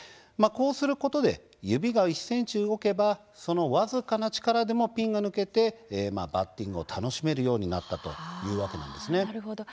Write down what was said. こうすることで指が１ｃｍ動けばその僅かな力でもピンが抜けてバッティングを楽しめるようになったということです。